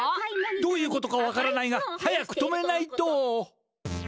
どういうことかわからないが早く止めないと！